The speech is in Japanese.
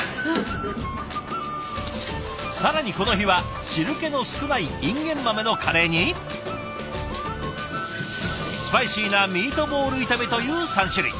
更にこの日は汁気の少ないいんげん豆のカレーにスパイシーなミートボール炒めという３種類。